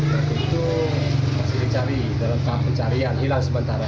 waktu itu masih dicari dalam tahap pencarian hilang sementara